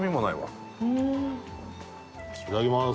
いただきます。